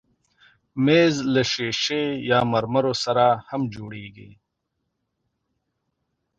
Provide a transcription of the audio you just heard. مېز له ښیښې یا مرمرو سره هم جوړېږي.